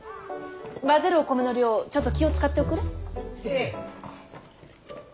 混ぜるお米の量ちょっと気を遣っておくれ。